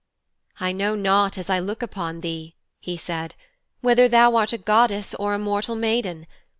'I know not as I look upon thee,' he said, 'whether thou art a goddess or a mortal maiden.